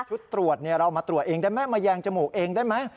ตรวจเรามาตรวจเองได้ไหมมาแยงจมูกเองได้ไหม